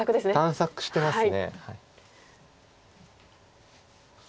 探索してます。